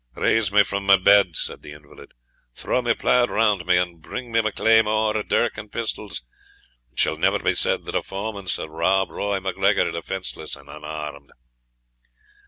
"Raise me from my bed," said the invalid; "throw my plaid around me, and bring me my claymore, dirk, and pistols it shall never be said that a foeman saw Rob Roy MacGregor defenceless and unarmed."